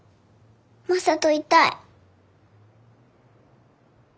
マサといたい。